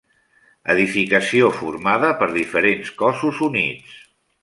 Edificació formada per diferents cossos units.